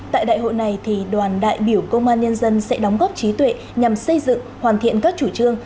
tại đại hội này đoàn đại biểu công an nhân dân sẽ đóng góp trí tuệ nhằm xây dựng hoàn thiện các chủ trương